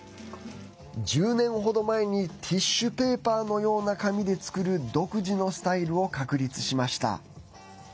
１０年程前にティッシュペーパーのような紙で作る独自のスタイルを確立しました。